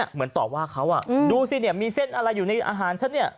เหมือนตอบว่าเขาดูสิเนี่ยมีเส้นอะไรอยู่ในอาหารฉันเนี่ย